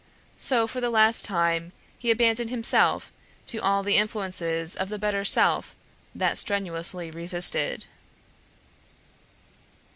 So for the last time he abandoned himself to all the influences of the better self that strenuously resisted.